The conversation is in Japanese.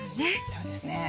そうですね。